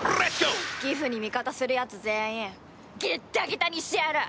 ギフに味方するやつ全員ギッタギタにしてやる！